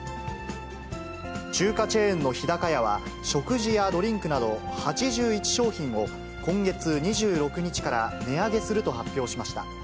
中華チェーンの日高屋は、食事やドリンクなど、８１商品を、今月２６日から値上げすると発表しました。